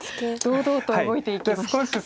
堂々と動いていきました。